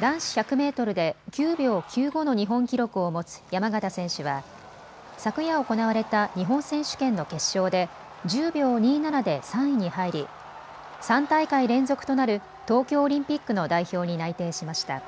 男子１００メートルで９秒９５の日本記録を持つ山縣選手は昨夜行われた日本選手権の決勝で１０秒２７で３位に入り、３大会連続となる東京オリンピックの代表に内定しました。